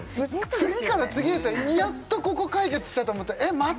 次から次へとやっとここ解決したと思ったらえっまた！？